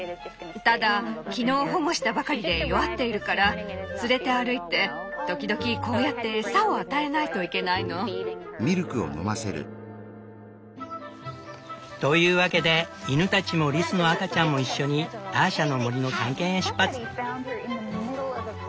ただ昨日保護したばかりで弱っているから連れて歩いて時々こうやって餌を与えないといけないの。というわけで犬たちもリスの赤ちゃんも一緒にターシャの森の探検へ出発。